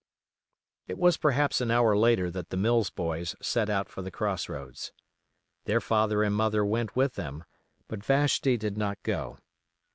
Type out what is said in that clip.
It was perhaps an hour later that the Mills boys set out for the Cross roads. Their father and mother went with them; but Vashti did not go.